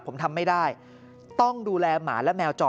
ผมทำไม่ได้ต้องดูแลหมาและแมวจอ